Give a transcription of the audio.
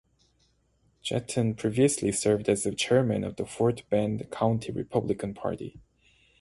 Jetton previously served as the chairman of the Fort Bend County Republican Party.